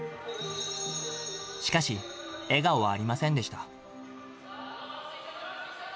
しかし、笑顔はありませんでした。